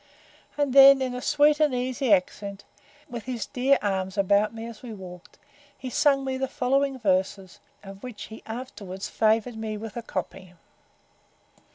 And then, in a sweet and easy accent, (with his dear arms about me as we walked,) he sung me the following verses; of which he afterwards favoured me with a copy: I.